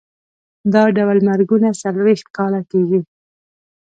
دا ډول مرګونه څلوېښت کاله کېږي.